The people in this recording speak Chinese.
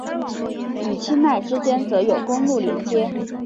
与钦奈之间则有公路连接。